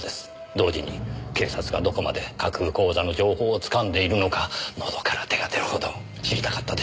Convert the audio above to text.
同時に警察がどこまで架空口座の情報をつかんでいるのかのどから手が出るほど知りたかったでしょう。